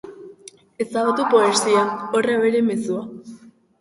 Ezabatu poesia, horra bere mezua.